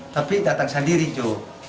tapi datang sendiri jo